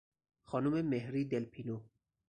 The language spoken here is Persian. خانم مهری دلپینو